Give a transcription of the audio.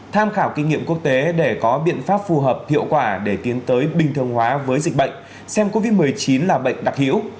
tham khảo kinh nghiệm quốc tế để có biện pháp phù hợp hiệu quả để tiến tới bình thường hóa với dịch bệnh xem covid một mươi chín là bệnh đặc hữu